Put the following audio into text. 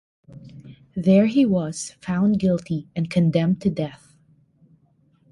There he was found guilty and condemned to death.